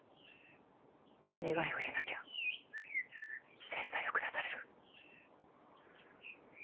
願いを入れなきゃ制裁を下される。